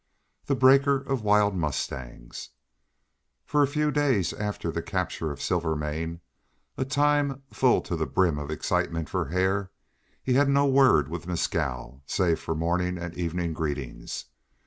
THE BREAKER OF WILD MUSTANGS FOR a few days after the capture of Silvermane, a time full to the brim of excitement for Hare, he had no word with Mescal, save for morning and evening greetings.